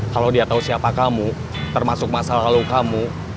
kalo dia tau siapa kamu termasuk masa lalu kamu